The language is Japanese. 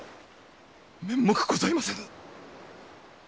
面目ございませぬ！